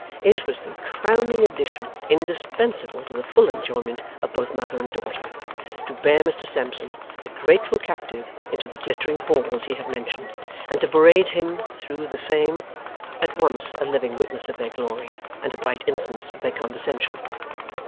It was the crowning addition indispensable to the full enjoyment of both mother and daughter, to bear Mr Sampson, a grateful captive, into the glittering halls he had mentioned, and to parade him through the same, at once a living witness of their glory, and a bright instance of their condescension.